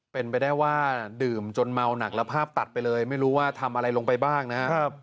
เป็นไปได้ว่าดื่มจนเมาหนักแล้วภาพตัดไปเลยไม่รู้ว่าทำอะไรลงไปบ้างนะครับ